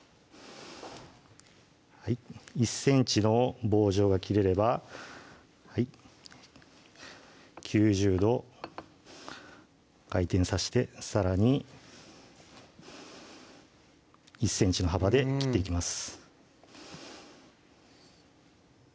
１ｃｍの棒状が切れれば９０度回転さしてさらに１ｃｍの幅で切っていきます